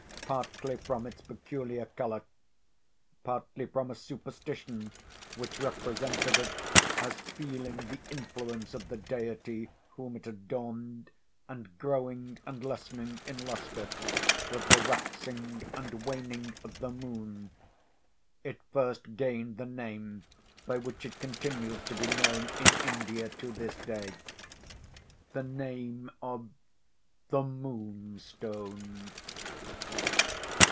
Partly from its peculiar colour, partly from a superstition which represented it as feeling the influence of the deity whom it adorned, and growing and lessening in lustre with the waxing and waning of the moon, it first gained the name by which it continues to be known in India to this day—the name of THE MOONSTONE.